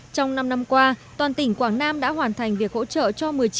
trong năm năm qua toàn tỉnh quảng nam đã hoàn thành việc hỗ trợ cho một mươi chín